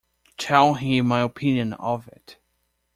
Tell him my opinion of it.